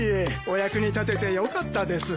お役に立ててよかったです。